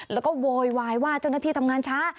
แล้วก็โวยวายว่าเจ้าหน้าที่ทำงานช้า